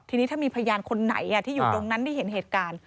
ทีนี้ถ้ามีพยานคนไหนที่อยู่ตรงนั้นที่เห็นเหตุการณ์